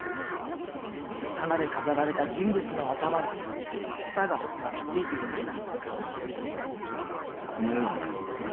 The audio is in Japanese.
花で飾られた人物の頭に、つたが巻きついていました。